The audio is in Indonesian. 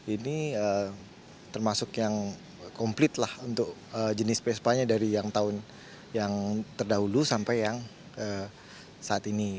ini termasuk yang komplit lah untuk jenis vespa nya dari yang tahun yang terdahulu sampai yang saat ini